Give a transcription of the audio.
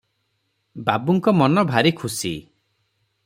ବାବୁଙ୍କ ମନ ଭାରି ଖୁସି ।